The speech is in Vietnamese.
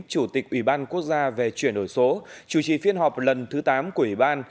chủ tịch ủy ban quốc gia về chuyển đổi số chủ trì phiên họp lần thứ tám của ủy ban